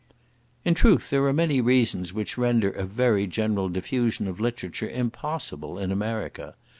In truth, there are many reasons which render a very general diffusion of literature impossible in America.